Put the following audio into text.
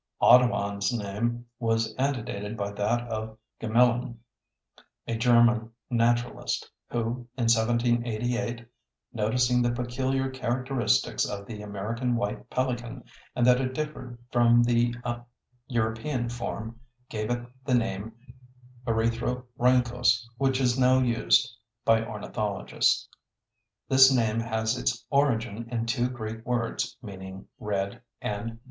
Audubon's name was antedated by that of Gmelin, a German Naturalist, who in 1788 noticing the peculiar characteristics of the American White Pelican and that it differed from the European form, gave it the name erythrorhynchos, which is now used by ornithologists. This name has its origin in two Greek words, meaning red and bill.